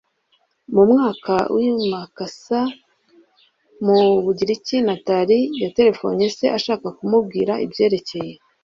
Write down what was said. mu mwaka wa i malakasa mu bugiriki natalie yaterefonnye se ashaka kumubwira ibyerekeye